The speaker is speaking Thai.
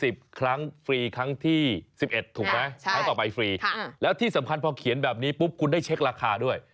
เพราะฉะนั้นพอเขียนแบบนี้ปุ๊บคุณได้เช็คราคาด้วย